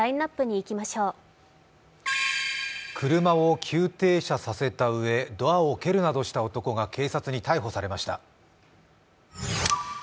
車を急停車させたうえドアを蹴るなどした男が警察に逮捕されました。